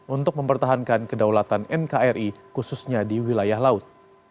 untuk mempertahankan kedaulatan nkri khususnya di wilayah laut